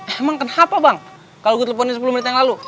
emang kenapa bang kalau gue teleponin sepuluh menit yang lalu